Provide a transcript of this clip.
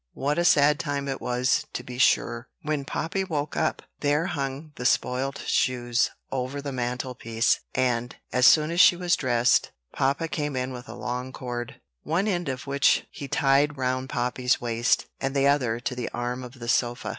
what a sad time it was, to be sure! When Poppy woke up, there hung the spoilt shoes over the mantle piece; and, as soon as she was dressed, papa came in with a long cord, one end of which he tied round Poppy's waist, and the other to the arm of the sofa.